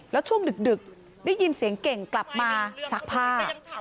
แล้วช่วงดึกได้ยินเสียงเก่งกลับมาซักผ้า